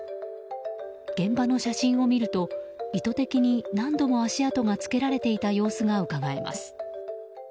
現場の写真を見ると意図的に何度も足跡がつけられていた様子がうかがえます。